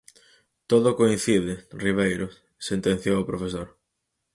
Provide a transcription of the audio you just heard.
–Todo coincide, Ribeiro –sentenciou o profesor–.